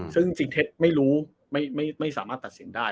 ซึ่งสิงเทศไม่รู้ไม่สามารถตัดเสียงได้